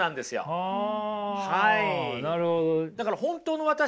あなるほど。